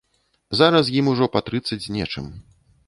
Зараз ім ужо па трыццаць з нечым.